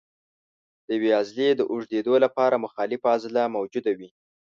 د یوې عضلې د اوږدېدو لپاره مخالفه عضله موجوده وي.